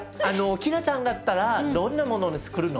希良ちゃんだったらどんなものつくるの？